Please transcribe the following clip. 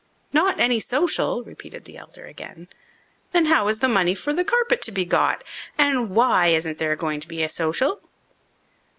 "Not any social?" repeated the elder again. "Then how is the money for the carpet to be got? And why isn't there going to be a social?"